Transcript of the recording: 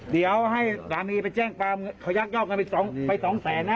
เดี๋ยวให้สามีไปแจ้งความเขายักยอกเงินไปสองแสนนะ